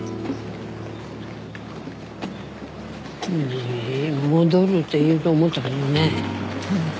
ねえ戻るって言うと思ったけどね。